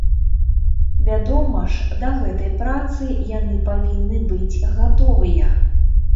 Вядома ж, да гэтай працы яны павінны быць гатовыя.